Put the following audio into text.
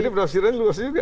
jadi penafsiran luas juga kan